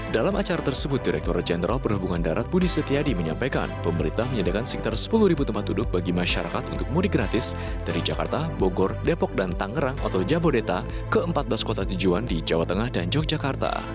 dalam acara tersebut direkturat jenderal perhubungan darat budi setiadi menyampaikan pemerintah menyediakan sekitar sepuluh tempat duduk bagi masyarakat untuk mudik gratis dari jakarta bogor depok dan tangerang atau jabodeta ke empat belas kota tujuan di jawa tengah dan yogyakarta